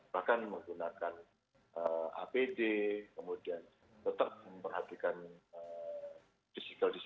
bahkan menggunakan apd kemudian tetap memperhatikan diskripsi